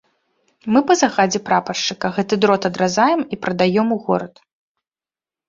Мы па загадзе прапаршчыка гэты дрот адразаем і прадаём у горад.